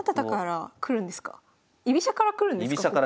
居飛車から来るんですか？